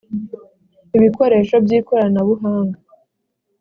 ibikoresho by ikoranabuhanga